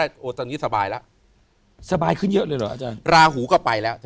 ได้เราตานี่สบายละสบายขึ้นเยอะเลยหรอก็ไปแล้วใช่